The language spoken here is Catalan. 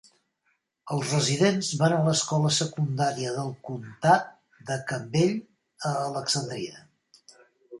Els residents van a l'escola secundària del comtat de Campbell a Alexandria.